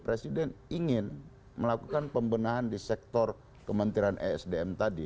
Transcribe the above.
presiden ingin melakukan pembenahan di sektor kementerian esdm tadi